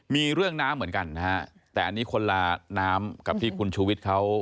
มีเรื่องน้ำเหมือนกันนะฮะแต่อันนี้คนละน้ำกับที่คุณชูวิทย์เขา